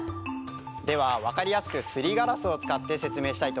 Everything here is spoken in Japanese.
では分かりやすくすりガラスを使って説明したいと思います。